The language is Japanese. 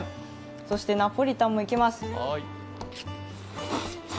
そしてナポリタンもいきます。